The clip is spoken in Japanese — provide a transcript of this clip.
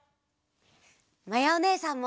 まやおねえさんも！